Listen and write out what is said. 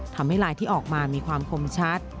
ลายที่ออกมามีความคมชัด